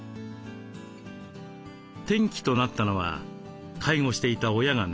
転機となったのは介護していた親が亡くなったこと。